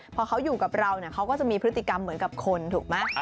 พอเขาอยู่กับเราเขาก็จะมีพฤติกรรมเหมือนกับคนถูกไหม